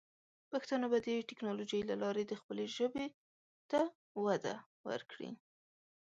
پښتانه به د ټیکنالوجۍ له لارې د خپلې ژبې ته وده ورکړي.